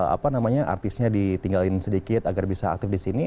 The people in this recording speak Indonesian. apa namanya artisnya ditinggalin sedikit agar bisa aktif di sini